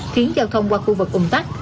khiến giao thông qua khu vực cung tắc